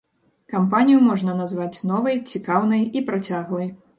Кампанію можна назваць новай, цікаўнай, і працяглай.